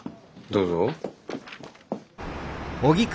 どうぞ。